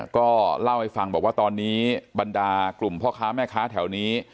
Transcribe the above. ก็เล่าให้ฟังบอกว่าตอนนี้บรรดากลุ่มพ่อค้าแม่ค้าแถวนี้